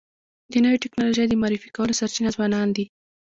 د نوې ټکنالوژی د معرفي کولو سرچینه ځوانان دي.